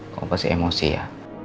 kok pasti emosi ya